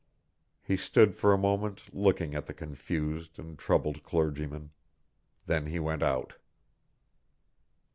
He stood for a moment looking at the confused and troubled clergyman. Then he went out.